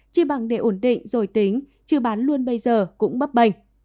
chỉ bằng để ổn định rồi tính chứ bán luôn bây giờ cũng bấp bệnh